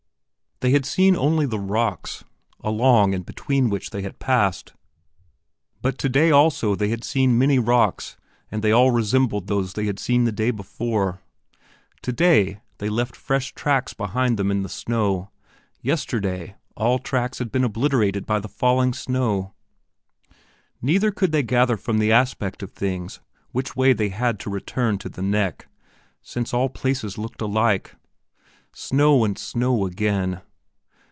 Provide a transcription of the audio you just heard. They had seen only the rocks along and between which they had passed; but today also they had seen many rocks and they all resembled those they had seen the day before. Today, they left fresh tracks behind them in the snow; yesterday, all tracks had been obliterated by the falling snow. Neither could they gather from the aspect of things which way they had to return to the "neck," since all places looked alike. Snow and snow again.